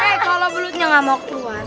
eh kalau belutnya gak mau keluar